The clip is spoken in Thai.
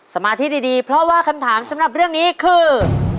สมาธิดีเพราะว่าคำถามสำหรับเรื่องนี้คือ